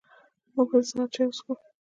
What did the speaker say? موږ به د سهار چاي وڅښو